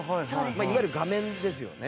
いわゆる画面ですよね。